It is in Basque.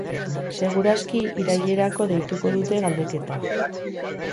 Segur aski irailerako deituko dute galdeketa.